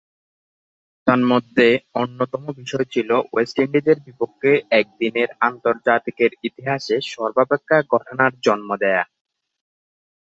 তন্মধ্যে অন্যতম বিষয় ছিল ওয়েস্ট ইন্ডিজের বিপক্ষে একদিনের আন্তর্জাতিকের ইতিহাসে সর্বাপেক্ষা ঘটনার জন্ম দেয়া।